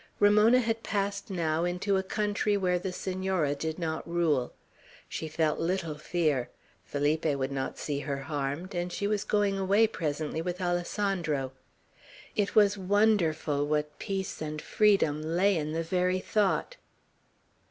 Ramona had passed now into a country where the Senora did not rule. She felt little fear. Felipe would not see her harmed, and she was going away presently with Alessandro. It was wonderful what peace and freedom lay in the very thought.